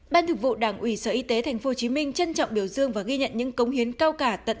ban thực vụ đảng ủy sở y tế tp hcm trân trọng biểu dương và ghi nhận những công hiến cao cả